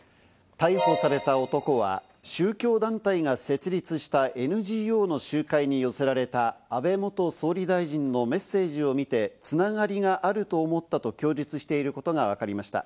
逮捕された男は宗教団体が設立したＮＧＯの集会に寄せられた安倍元総理大臣のメッセージを見て繋がりがあると思ったと供述していることがわかりました。